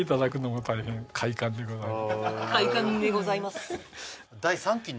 快感でございます